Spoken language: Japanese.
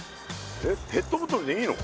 えっペットボトルでいいの？